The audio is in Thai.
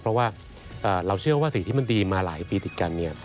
เพราะว่าเราเชื่อว่าสิ่งที่มันดีมาหลายปีติดกันเนี่ย